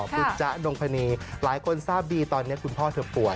คุณจ๊ะดงพนีหลายคนทราบดีตอนนี้คุณพ่อเธอป่วย